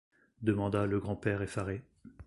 demanda le grand-père effaré.